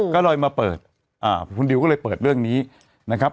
ก็เลยมาเปิดคุณดิวก็เลยเปิดเรื่องนี้นะครับ